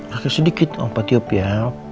sakit sedikit opa tiup ya